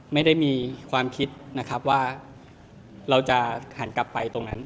ไม่ได้มีความคิดว่าเราจะผ่านกลับไป